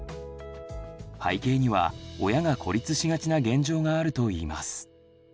背景には親が孤立しがちな現状があるといいます。